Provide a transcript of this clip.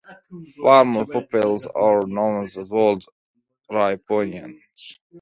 Former pupils are known as Old Riponians.